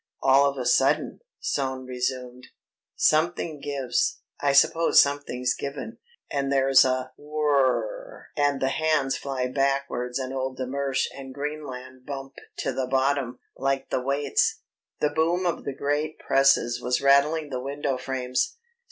"All of a sudden," Soane resumed, "something gives I suppose something's given and there's a whirr rr rr and the hands fly backwards and old de Mersch and Greenland bump to the bottom, like the weights." The boom of the great presses was rattling the window frames.